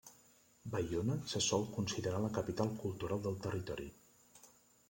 Baiona se sol considerar la capital cultural del territori.